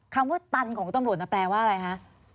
คำว่าตันของตำรวจน่ะแปลว่าอะไรคะ